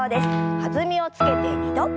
弾みをつけて２度。